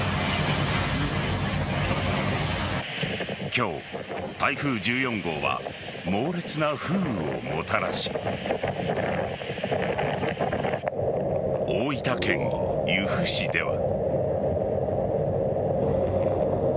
今日、台風１４号は猛烈な風雨をもたらし大分県由布市では。